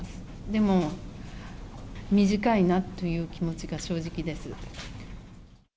でも、短いなという気持ちが正直です。